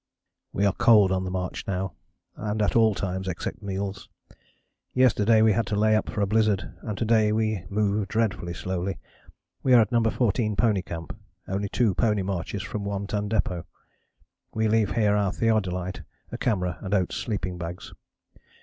"We are cold on the march now, and at all times except meals. Yesterday we had to lay up for a blizzard and to day we move dreadfully slowly. We are at No. 14 Pony Camp, only two pony marches from One Ton Depôt. We leave here our theodolite, a camera, and Oates' sleeping bags.